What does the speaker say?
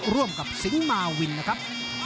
ร่วมกับสิงหมาวินนะครับ